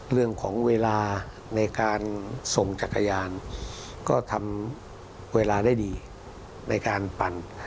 เรื่องของเวลาในการส่งจักรยานก็ทำเวลาได้ดีในการปั่น